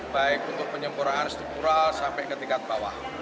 baik untuk penyempurnaan struktural sampai ke tingkat bawah